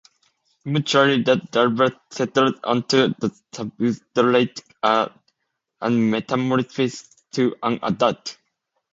Eventually, the larva settles onto the substrate and metamorphoses to an adult.